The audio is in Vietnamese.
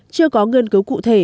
chưa có ngân cứu cụ thể